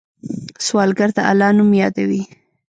سوالګر د الله نوم یادوي